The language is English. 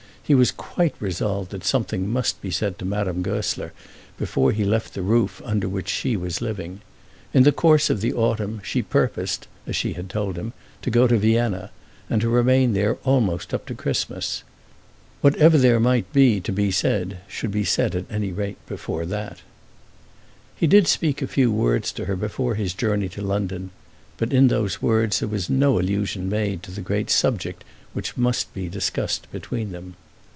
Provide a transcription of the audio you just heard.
He was quite resolved that something must be said to Madame Goesler before he left the roof under which she was living. In the course of the autumn she purposed, as she had told him, to go to Vienna, and to remain there almost up to Christmas. Whatever there might be to be said should be said at any rate before that. He did speak a few words to her before his journey to London, but in those words there was no allusion made to the great subject which must be discussed between them.